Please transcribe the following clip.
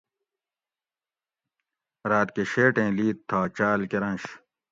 راۤت کۤہ ِشیٹیں لِیت تھا چاۤل کۤرنش